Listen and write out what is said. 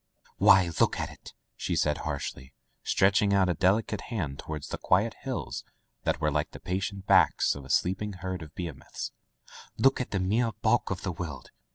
"Why, look at it!*' she said harshly, stretching out a delicate hand toward the quiet hills that were like the patient backs of a sleeping herd of behemoths — ^''Look at the mere bulk of the world.